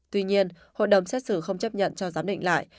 tuy nhiên hội đồng xét xử không chấp nhận cho giám định lại